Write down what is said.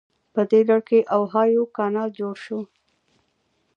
په دې لړ کې اوهایو کانال جوړ شو.